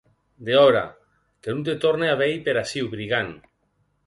Dehòra!, e que non te torna a veir per aciu, brigand!